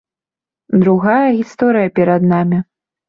Другая гісторыя перад намі.